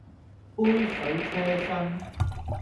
杯水車薪